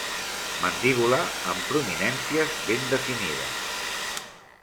Mandíbula amb prominències ben definides.